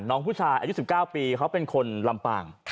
น้องผู้ชายอายุ๑๙ปีเขาเป็นคนลำปาง